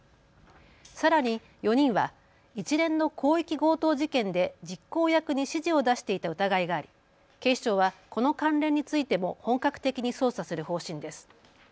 さらに４人は一連の広域強盗事件で実行役に指示を出していた疑いがあり警視庁はこの関連についても本格的に捜査する方針です。